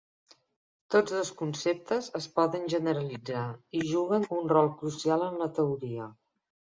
Tots dos conceptes es poden generalitzar, i juguen un rol crucial en la teoria.